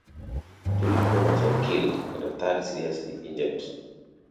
Two diplomats were killed and a third seriously injured.